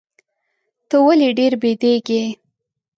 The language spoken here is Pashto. ته ولي ډېر بیدېږې؟